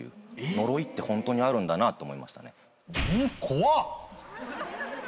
呪いってホントにあるんだなと思いましたね。